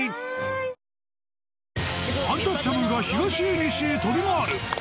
アンタッチャブルが東へ西へ飛び回る。